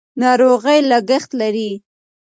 ناروغي لګښت لري.